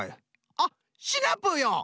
あっシナプーよ！